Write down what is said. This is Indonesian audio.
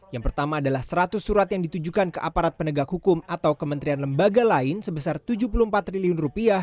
yang pertama adalah seratus surat yang ditujukan ke aparat penegak hukum atau kementerian lembaga lain sebesar rp tujuh puluh empat triliun